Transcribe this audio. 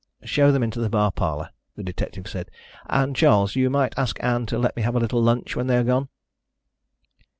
"Show them into the bar parlour," the detective said. "And, Charles, you might ask Ann to let me have a little lunch when they are gone."